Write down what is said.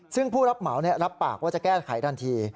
ซึ่งผู้รับเหมารับปากว่าจะแก้ไขทันที